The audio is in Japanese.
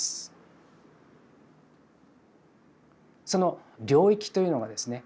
その領域というのがですね